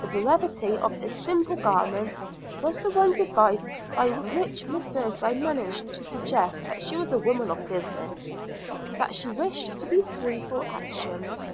The brevity of this simple garment was the one device by which Miss Birdseye managed to suggest that she was a woman of business, that she wished to be free for action.